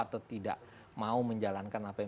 atau tidak mau menjalankan apa yang